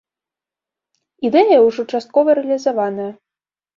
Ідэя ўжо часткова рэалізаваная.